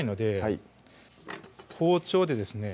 い包丁でですね